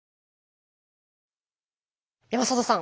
山里さん。